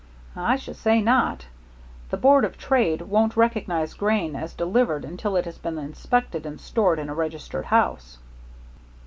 "I should say not. The Board of Trade won't recognize grain as delivered until it has been inspected and stored in a registered house."